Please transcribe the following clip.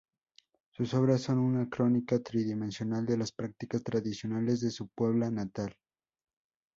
Sus obras son una crónica tridimensional de las prácticas tradicionales de su Puebla natal.